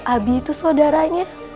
abi itu saudaranya